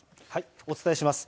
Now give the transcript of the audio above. お伝えします。